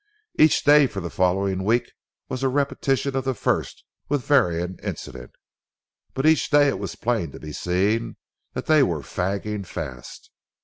"Each day for the following week was a repetition of the first with varying incident. But each day it was plain to be seen that they were fagging fast.